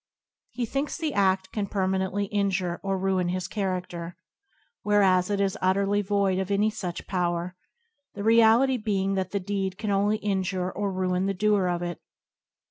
He thinks the ad can permanently injure or ruin his charader, whereas it is utterly void of any such power; the reality being that the deed can only injure or ruin the doer of it.